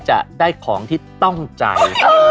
จะได้ของที่ต้องใจ